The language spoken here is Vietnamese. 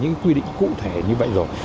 những quy định cụ thể như vậy rồi